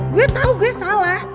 gue tau gue salah